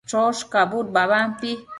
choshcabud babampi